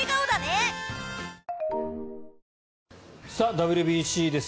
ＷＢＣです。